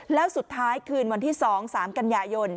แล้วสุดท้ายคืนวันที่สองสามกัญญาโยน